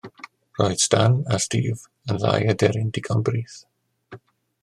Roedd Stan a Steve yn ddau aderyn digon brith.